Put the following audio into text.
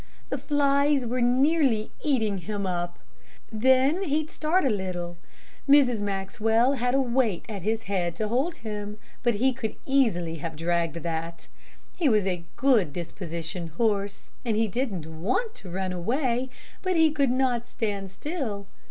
The flies were nearly eating him up. Then he'd start a little. Mrs. Maxwell had a weight at his head to hold him, but he could easily have dragged that. He was a good dispositioned horse, and he didn't want to run away, but he could not stand still.